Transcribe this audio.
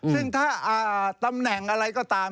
ซึ่งถ้าตำแหน่งอะไรก็ตาม